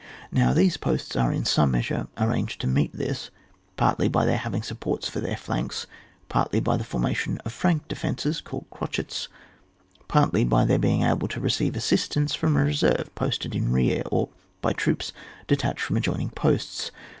Now, these posts are in some measure arranged to meet this, partly by their having supports for their flanks, partly by the formation of flank defences (called crochets), partly by their being able to receive assistance from a reserve posted in rear, or by troops detached from ad joining posts.